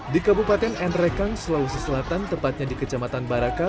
di kabupaten nrekang sulawesi selatan tepatnya di kecamatan baraka